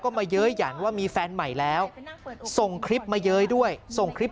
ก็มาเย้ยหยันว่ามีแฟนใหม่แล้วส่งคลิปมาเย้ยด้วยส่งคลิป